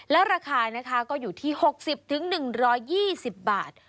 และราคานะคะก็อยู่ที่๖๐๑๒๐บาท